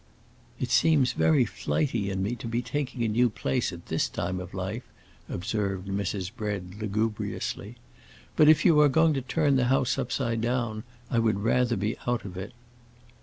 "It seems very flighty in me to be taking a new place at this time of life," observed Mrs. Bread, lugubriously. "But if you are going to turn the house upside down, I would rather be out of it."